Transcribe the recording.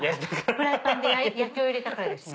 フライパンで焼きを入れたからですね？